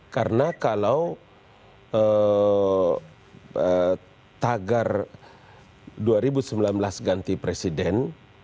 karena kalau tagar dua ribu sembilan belas ganti presiden